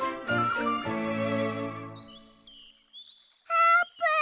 あーぷん！